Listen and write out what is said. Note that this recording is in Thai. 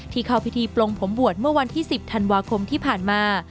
เข้าพิธีปลงผมบวชเมื่อวันที่๑๐ธันวาคมที่ผ่านมา